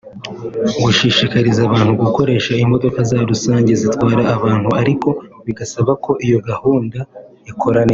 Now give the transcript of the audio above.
Gushishikariza abantu gukoresha imodoka za rusange zitwara abantu (ariko bigasaba ko iyo gahunda ikora neza)